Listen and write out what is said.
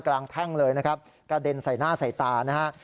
แท่งเลยนะครับกระเด็นใส่หน้าใส่ตานะฮะ